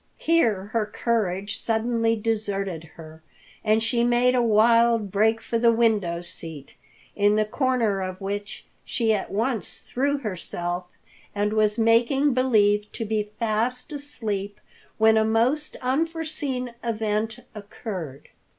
Here her courage suddenly deserted her and she made a wild break for the window seat, in the corner of which she at once threw herself and was making believe to be fast asleep when a most unforeseen event occurred.